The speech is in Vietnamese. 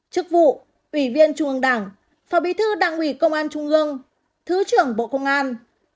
chức vụ ủy viên trung ương đảng phó bí thư đảng ủy công an trung ương thứ trưởng bộ công an